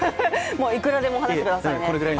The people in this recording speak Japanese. もう、いくらでも話してください。